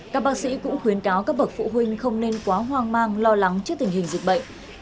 các bác sĩ cũng khuyến cáo các bậc phụ huynh không nên quá hoang mang lo lắng trước tình hình dịch bệnh